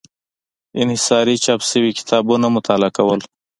انحصاري چاپ شوي کتابونه مطالعه کول.